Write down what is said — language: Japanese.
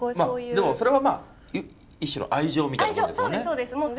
まあでもそれはまあ一種の愛情みたいなもんですもんね？